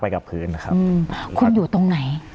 ขุนอยู่ตรงไหน